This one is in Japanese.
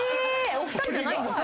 お二人じゃないんですか？